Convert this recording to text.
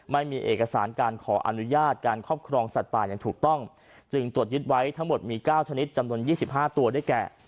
ไม่มีเอกสารการขออนุญาตการครอบครองสัตว์ป่าอย่างถูกต้องจึงตรวจยึดไว้ทั้งหมดมี๙ชนิดจำนวน๒๕ตัวได้แก่